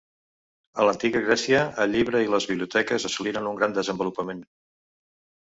A l'antiga Grècia el llibre i les biblioteques assoliren un gran desenvolupament